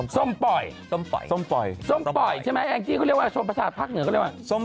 ส้มปอยส้มปอยส้มปอยใช่ไหมอังกฤษเขาเรียกว่าส้มประสาทภาคเหนือก็เรียกว่าส้มปอย